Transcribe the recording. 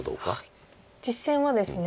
実戦はですね